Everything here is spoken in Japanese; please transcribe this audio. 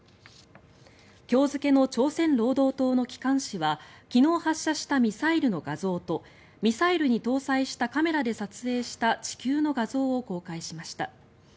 今日付の朝鮮労働党の機関紙は昨日発射したミサイルの画像とミサイルに搭載したカメラで撮影した地球の画像を公開しました。